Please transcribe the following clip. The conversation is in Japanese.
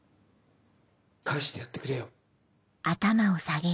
返してやってくれよ。